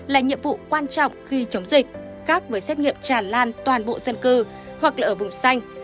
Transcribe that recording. là nhiệm vụ quan trọng khi chống dịch khác với xét nghiệm tràn lan toàn bộ dân cư hoặc là ở vùng xanh